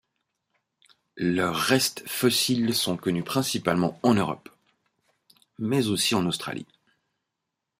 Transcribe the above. Leurs restes fossiles sont connus principalement en Europe, mais aussi en Australie.